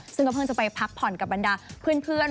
ซึ่งก็เพิ่งจะไปพักผ่อนกับบรรดาเพื่อน